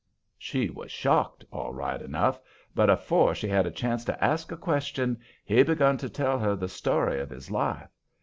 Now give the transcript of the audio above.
She was shocked, all right enough, but afore she had a chance to ask a question, he begun to tell her the story of his life.